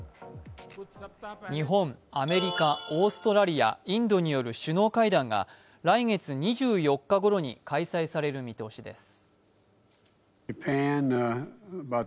日本、アメリカ、オーストラリア、インドによる首脳会談が来月２４日ごろに開催される見通しです。